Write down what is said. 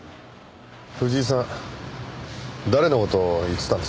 藤井さん誰の事を言ってたんでしょうね？